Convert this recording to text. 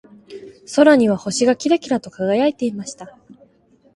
空には星がキラキラと輝いていました。